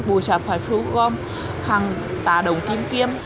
bùi sạp phải phụ gom hàng tà đồng kiếm kiếm